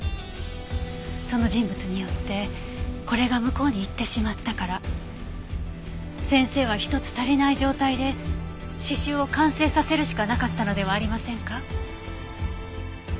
その人物によってこれが向こうに行ってしまったから先生は１つ足りない状態で刺繍を完成させるしかなかったのではありませんか？